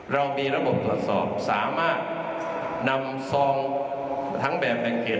เรามีระบบตรวจสอบสามารถนำซองทั้งแบบแบ่งเขต